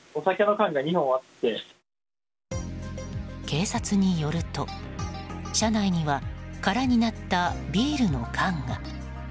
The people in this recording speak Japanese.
警察によると車内には空になったビールの缶が。